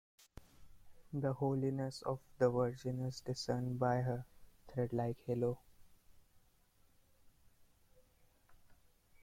The holiness of the Virgin is discerned by her thread-like halo.